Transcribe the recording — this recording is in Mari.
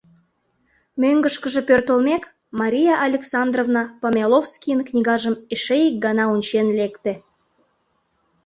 Мӧҥгышкыжӧ пӧртылмек, Мария Александровна Помяловскийын книгажым эше ик гана ончен лекте.